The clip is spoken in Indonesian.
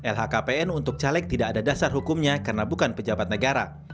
lhkpn untuk caleg tidak ada dasar hukumnya karena bukan pejabat negara